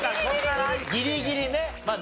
ギリギリねっ。